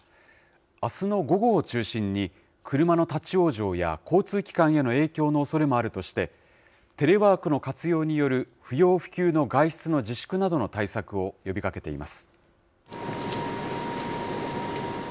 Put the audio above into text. あすの午後を中心に、車の立往生や交通機関への影響のおそれもあるとして、テレワークの活用による不要不急の外出の自粛などの対策を呼びかけています。